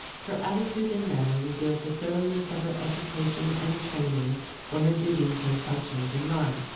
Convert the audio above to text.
Her attitude and manner revealed the thoroughness of her education and training for her duties and functions in life.